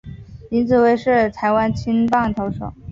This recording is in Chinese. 林子崴是台湾青棒投手。